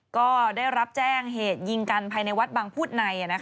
ก็ได้รับแจ้งเหตุยิงกันภายในวัดบางพูดใน